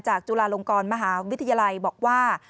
จุฬาลงกรมหาวิทยาลัยบอกว่า